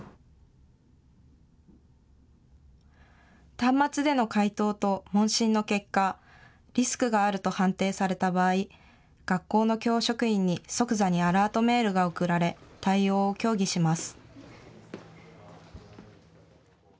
端末での回答と問診の結果、リスクがあると判定された場合、学校の教職員に即座にアラートメールが送られ、対応を協議します。